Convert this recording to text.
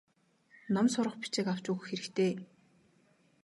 Ном сурах бичиг авч өгөх хэрэгтэй.